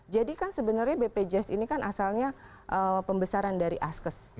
jadi kan sebenarnya bpjs ini kan asalnya pembesaran dari askes